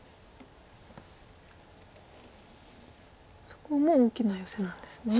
そこも大きなヨセなんですね。